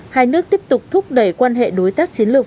hai nước tiếp tục thúc đẩy quan hệ đối tác chiến lược